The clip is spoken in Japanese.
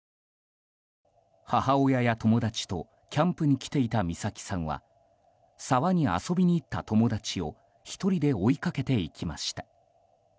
母親や友達とキャンプに来ていた美咲さんは沢に遊びに行った友達を１人で追いかけていきました。